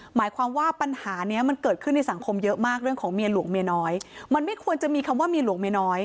หมายความว่าปัญหาเนี้ยมันเกิดขึ้นในสังคมเยอะมากเรื่องของเมียหลวงเมียน้อยมันไม่ควรจะมีคำว่าเมียหลวงเมียน้อย